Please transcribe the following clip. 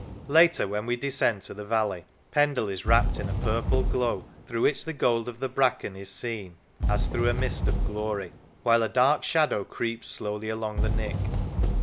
Later, when we descend to the valley, Pendle is wrapped in a purple glow, through which the gold of the bracken is seen as through a mist of glory, while a dark shadow creeps slowly along the Nick.